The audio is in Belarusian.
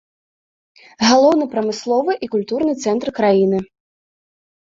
Галоўны прамысловы і культурны цэнтр краіны.